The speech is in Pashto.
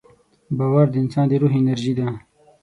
باور د انسان د روح انرژي ده.